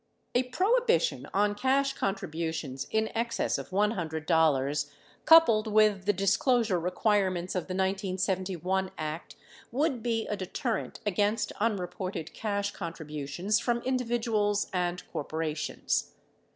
A prohibition on cash contributions in excess of $100, coupled with the disclosure requirements of the 1971 Act, would be a deterrent against unreported cash contributions from individuals and corporations.